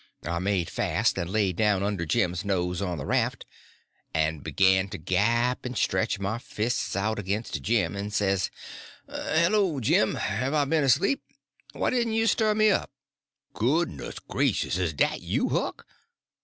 I made fast and laid down under Jim's nose on the raft, and began to gap, and stretch my fists out against Jim, and says: "Hello, Jim, have I been asleep? Why didn't you stir me up?" "Goodness gracious, is dat you, Huck?